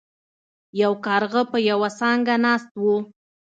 یو کارغه په یوه څانګه ناست و.